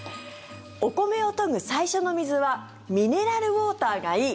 お米を研ぐ最初の水はミネラルウォーターがいい。